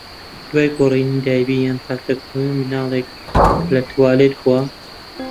دوای گۆڕینی دایبی یان پاکردنەوەی مناڵێک کە لە توالێت بووە.